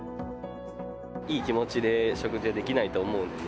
いい気持ちで食事ができないと思うんで。